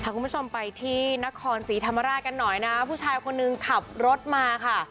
คุณผู้ชมไปที่นครศรีธรรมราชกันหน่อยนะผู้ชายคนนึงขับรถมาค่ะ